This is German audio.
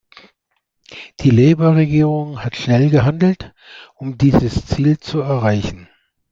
Die Labour-Regierung hat schnell gehandelt, um dieses Ziel zu erreichen.